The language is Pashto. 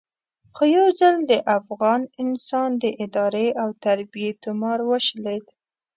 خو یو ځل د افغان انسان د ادارې او تربیې تومار وشلېد.